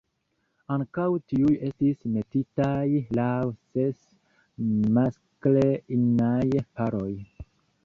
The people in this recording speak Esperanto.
Ankaŭ tiuj estis metitaj laŭ ses maskl-inaj paroj.